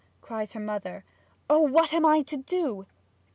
cries her mother. 'Oh, what am I to do!